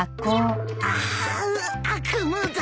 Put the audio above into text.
ああ悪夢だ。